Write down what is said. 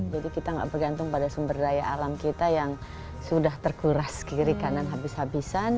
jadi kita gak bergantung pada sumber daya alam kita yang sudah terkuras kiri kanan habis habisan